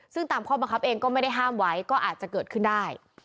ซึ่งตามข้อบังคับเองก็ไม่ได้ห้ามไว้ก็อาจจะเกิดขึ้นได้